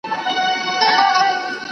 ¬ دادا دي خداى نر کي ، چي ادې ووهي.